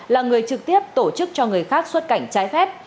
là người trực tiếp tổ chức cho người khác xuất cảnh trái phép